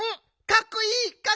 かっこいい！